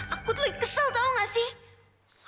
aku tuh kesel tau gak sih